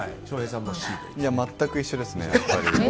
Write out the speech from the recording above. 全く一緒ですね。